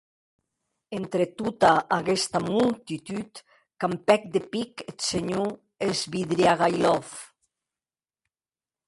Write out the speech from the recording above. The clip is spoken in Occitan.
Entre tota aguesta multitud campèc de pic eth senhor Svidrigailov.